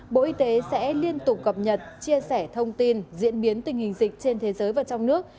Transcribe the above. bộ y tế sẽ liên tục cập nhật chia sẻ thông tin diễn biến tình hình dịch trên thế giới và trong nước